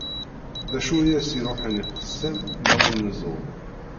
D acu i as-iruḥen i qessam ma ur neẓẓul?